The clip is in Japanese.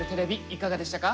いかがでしたか？